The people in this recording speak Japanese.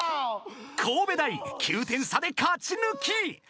［神戸大９点差で勝ち抜き］